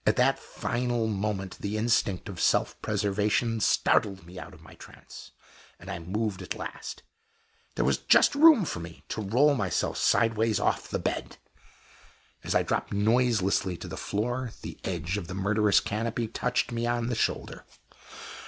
At that final moment the instinct of self preservation startled me out of my trance, and I moved at last. There was just room for me to roll myself sidewise off the bed. As I dropped noiselessly to the floor, the edge of the murderous canopy touched me on the shoulder.